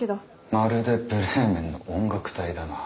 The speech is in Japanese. まるでブレーメンの音楽隊だな。